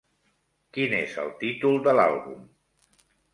Quin és el títol de l'àlbum?